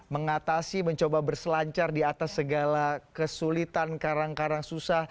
mengatasi mencoba berselancar di atas segala kesulitan karang karang susah